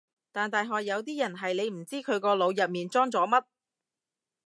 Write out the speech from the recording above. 但大學有啲人係你唔知佢個腦入面裝咗乜